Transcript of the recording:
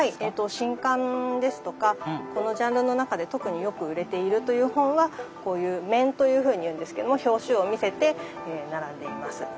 新刊ですとかこのジャンルの中で特によく売れているという本はこういう面というふうに言うんですが表紙を見せて並んでいます。